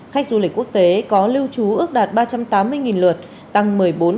khách du lịch quốc tế có lưu trú ước đạt ba trăm tám mươi lượt tăng một mươi bốn